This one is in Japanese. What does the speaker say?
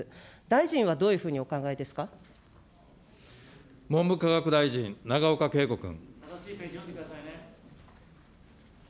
大臣はどういうふうにお考えです文部科学大臣、永岡桂子君。